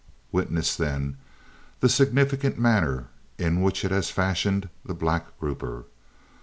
Witness, then, the significant manner in which it has fashioned the black grouper.